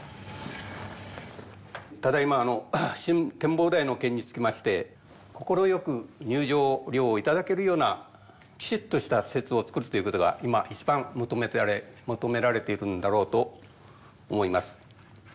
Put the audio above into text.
ただ今新展望台の件につきまして快く入場料をいただけるようなきちっとした施設を造るということが今一番求められているのだろうと思います。